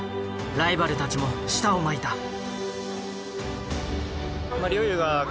ライバルたちも舌を巻いた。